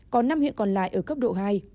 có năm huyện còn lại ở cấp độ hai